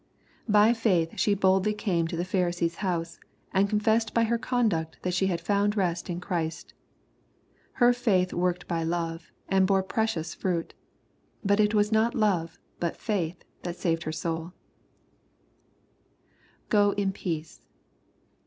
By &itb, she boldly < Ame to the Pharisee's house, and confessed by her conduct that she had found rest in Christ. Her faith worked by love, and bore precious fruit. But it was not love but fai£k that saved her soul \Qoin peace."